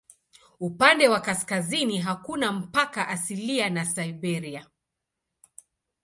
Upande wa kaskazini hakuna mpaka asilia na Siberia.